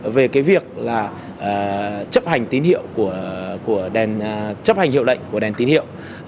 về việc chấp hành hiệu lệnh của đèn tín hiệu